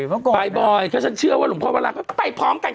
ไปบ่อยเพราะฉันเชื่อว่าหลวงพ่อวาราก็ไปพร้อมกัน